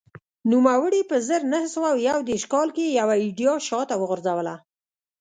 نوموړي په زر نه سوه یو دېرش کال کې یوه ایډیا شا ته وغورځوله